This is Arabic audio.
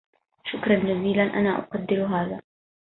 شكراً جزيلاً. أنا أقدر هذا.